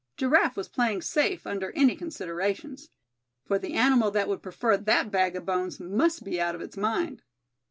Giraffe was playing safe under any considerations, for the animal that would prefer that bag of bones must be out of its mind.